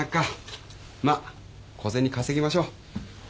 まあ小銭稼ぎましょう。